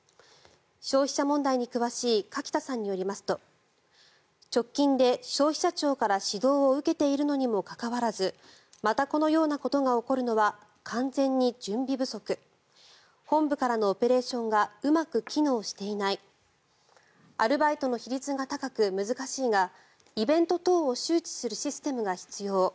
消費者問題に詳しい垣田さんによりますと直近で消費者庁から指導を受けているにもかかわらずまたこのようなことが起こるのは完全に準備不足本部からのオペレーションがうまく機能していないアルバイトの比率が高く難しいがイベント等を周知するシステムが必要。